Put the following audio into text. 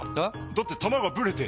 だって球がブレて！